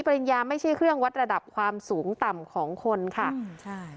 ปริญญาไม่ใช่เครื่องวัดระดับความสูงต่ำของคนค่ะอืมใช่